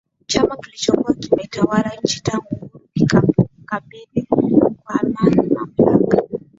Chama kilichokuwa kimeitawala nchi tangu uhuru kikakabidhi kwa amani mamlaka